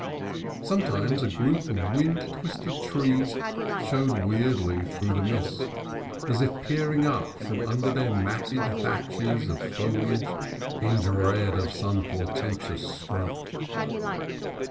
Sometimes a group of wind twisted trees showed weirdly through the mist, as if peering up from un der their matted thatches of foliage in dread of some portentous stroke.